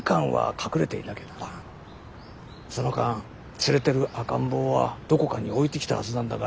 その間連れてる赤ん坊はどこかに置いてきたはずなんだが。